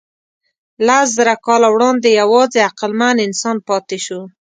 لسزره کاله وړاندې یواځې عقلمن انسان پاتې شو.